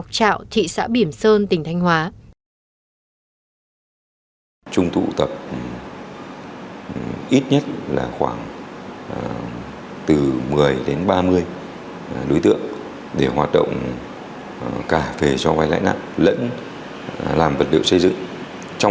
khi tiến hành đầu vào